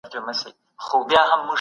غړي د خپلو موکلينو سره اړيکي ساتي.